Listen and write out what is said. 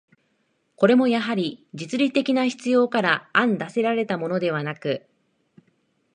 これもやはり、実利的な必要から案出せられたものではなく、